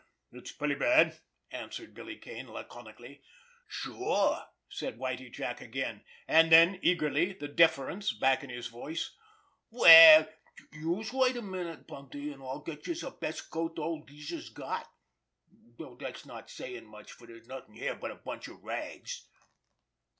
"It's pretty bad," answered Billy Kane laconically. "Sure!" said Whitie Jack again; and then, eagerly, the deference back in his voice: "Well, youse wait a minute, Bundy, an' I'll get youse de best coat de old geezer's got—though dat's not sayin' much, for dere's nothin' here but a bunch of rags."